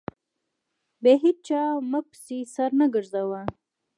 بيا هېچا په ما پسې سر نه گرځاوه.